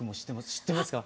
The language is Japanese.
知ってますか？